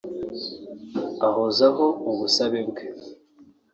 ahozaho mu busabe bwe